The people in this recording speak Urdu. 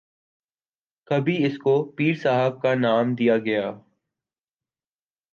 کبھی اسکو پیر صاحب کا نام دیا گیا